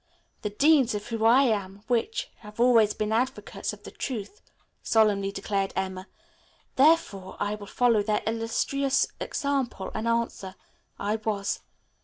"The Deans of whom I am which, have always been advocates of the truth," solemnly declared Emma, "therefore I will follow their illustrious example and answer 'I was.'